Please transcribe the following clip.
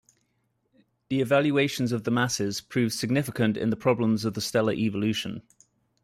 The evaluations of the masses proved significant in the problems of the stellar evolution.